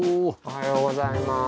おはようございます。